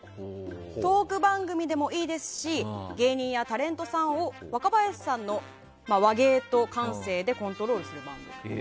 トーク番組でもいいですし芸人やタレントさんを若林さんの話芸と感性でコントロールする番組。